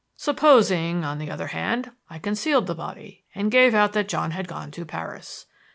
"Supposing, on the other hand, I concealed the body and gave out that John had gone to Paris.